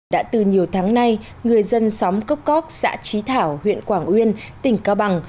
đã từ nhiều tháng nay người dân xóm cốc cóc xã trí thảo huyện quảng uyên tỉnh cao bằng